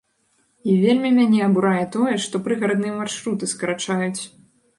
І вельмі мяне абурае тое, што прыгарадныя маршруты скарачаюць.